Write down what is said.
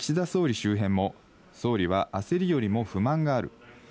総理周辺も総理は焦りよりも不満がある。